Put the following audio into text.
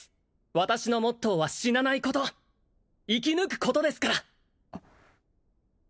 私のモットーは死なないこと生き抜くことですから！